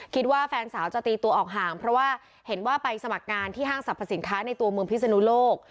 คิดว่าแฟนสาวจะตีตัวออกห่างเพราะว่าเห็นว่าไปสมัครงานที่ห้างสรรพสินค้าในตัวเมืองพิศนุโลก